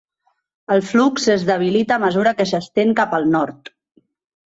El flux es debilita a mesura que s'estén cap al nord.